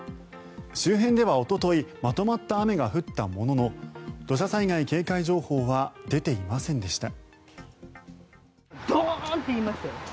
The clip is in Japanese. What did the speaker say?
周辺では、おとといまとまった雨が降ったものの土砂災害警戒情報は出ていませんでした。